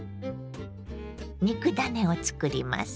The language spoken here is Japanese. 肉ダネをつくります。